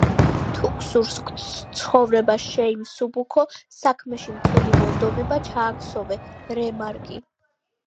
„თუ გსურს, ცხოვრება შეიმსუბუქო, საქმეში მთელი მონდომება ჩააქსოვე.” – რემარკი.